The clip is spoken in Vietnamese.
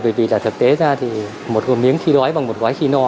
bởi vì là thực tế ra thì một gồm miếng khi đói bằng một gói khi no